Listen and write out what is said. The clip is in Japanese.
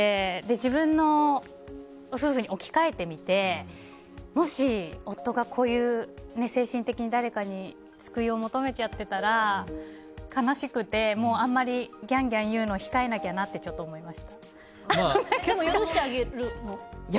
自分の夫婦に置き換えてみてもし、夫が精神的に誰かに救いを求めちゃってたら悲しくてあんまりギャンギャンいうのでも許してあげるの？